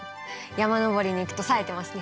山登りに行くとさえてますね。